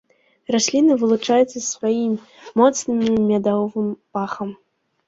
Расліна вылучаецца сваім моцным мядовым пахам.